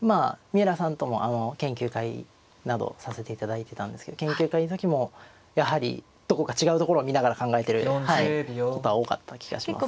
三浦さんとも研究会などさせていただいてたんですけど研究会の時もやはりどこか違うところを見ながら考えてることは多かった気がします。